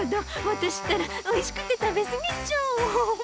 私ったらおいしくて食べ過ぎちゃう。